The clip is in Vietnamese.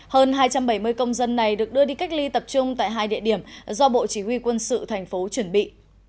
hơn hai trăm bảy mươi công dân này được đưa đi cách ly tập trung tại hai địa điểm do bộ chỉ huy quân sự thành phố chuẩn bị